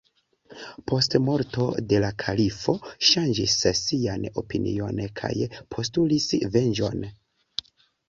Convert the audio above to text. Post morto de la kalifo ŝanĝis sian opinion kaj postulis venĝon.